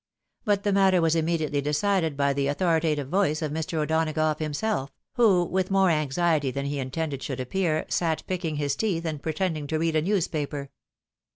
But the matter was immediately decided by the authoritative voice of Mr. O'Donagough himself, who, with more anxiety than he intended should appear, sat picking his teeth, and pretending to read a newspaper.